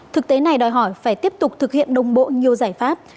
thực tế này đòi hỏi phải tiếp tục thực hiện đồng bộ nhiều giải pháp